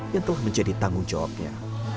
yang telah menjadi tanggung jawabnya